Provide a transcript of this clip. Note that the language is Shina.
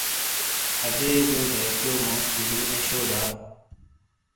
اجے (اماں) جو دیکیو موس گینی اے شو دا ؟